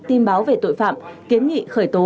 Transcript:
tin báo về tội phạm kiến nghị khởi tố